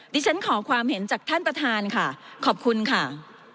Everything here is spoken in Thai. ดิฉันขอความเห็นจากท่านประธานค่ะขอบคุณค่ะ